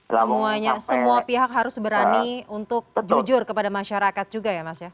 semuanya semua pihak harus berani untuk jujur kepada masyarakat juga ya mas ya